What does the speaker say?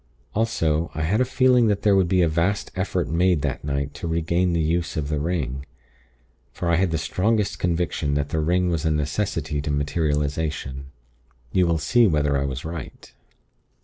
Also, I had a feeling that there would be a vast effort made that night to regain the use of the ring. For I had the strongest conviction that the ring was a necessity to materialization. You will see whether I was right.